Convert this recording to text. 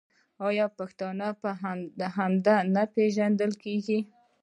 آیا پښتون په همدې نه پیژندل کیږي؟